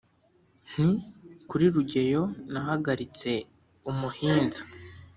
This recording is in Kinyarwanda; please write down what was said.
Nti: Kuli Rugeyo nahagalitse umuhinza,